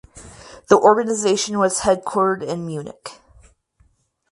The organisation was headquartered in Munich.